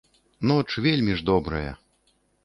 Ноч вельмі ж добрая.